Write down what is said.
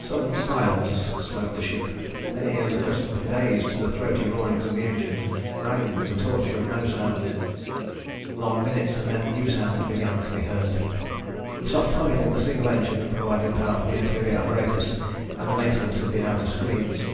Sudden silence smote the ship. Their ears, accustomed for days to the throaty roarings of the engines, rang with the torture of no sound. Long minutes and then new sounds began to be heard ... the soft humming of the single engine that provided power for the interior apparatus and the maintenance of the outer screens.